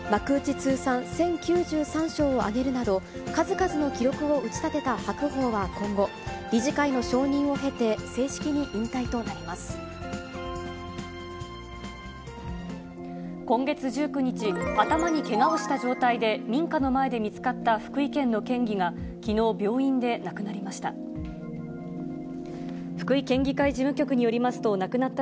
通算１０９３勝を挙げるなど、数々の記録を打ち立てた白鵬は今後、理事会の承認を経て、正式に今月１９日、頭にけがをした状態で民家の前で見つかった福井県の県議がきのう、病院で亡くなりました。